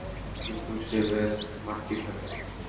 কিন্তু সে ব্যস মারতেই থাকে।